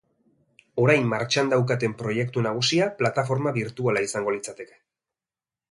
Orain martxan daukaten proiektu nagusia plataforma birtuala izango litzake.